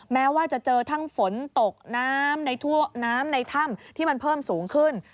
แม้ว่าจะเจอทั้งฝนตกน้ำในน้ำในถ้ำที่มันเพิ่มสูงขึ้น